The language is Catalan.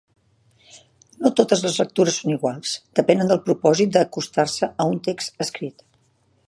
No totes les lectures són iguals, depenen del propòsit d'acostar-se a un text escrit.